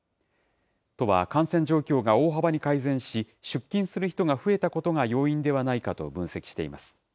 都は感染状況が大幅に改善し、出勤する人が増えたことが要因ではないかと分析しています。